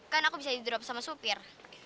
kan aku bisa tidur sama supir